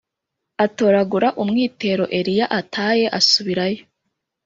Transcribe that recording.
Atoragura umwitero Eliya ataye asubirayo